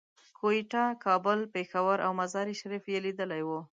کوټه، کابل، پېښور او مزار شریف یې لیدلي وو.